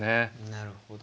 なるほど。